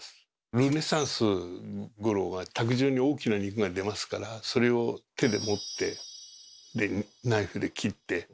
ルネサンスごろは卓上に大きな肉が出ますからそれを手で持ってナイフで切って食べる。